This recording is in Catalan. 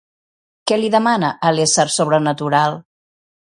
Què li demana a l'ésser sobrenatural?